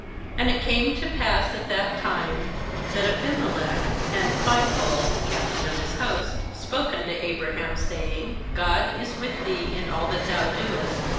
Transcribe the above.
^And it came to pass at that time, that Abimelech and Phicol the captain of his host spoke unto Abraham, say ing: ' God is with thee in all that thou doest.